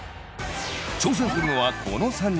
挑戦するのはこの３人。